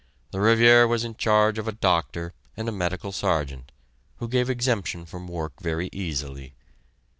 The Revier was in charge of a doctor and a medical Sergeant, who gave exemption from work very easily.